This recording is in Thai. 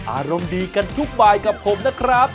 อารมณ์ดีกันทุกบายกับผมนะครับ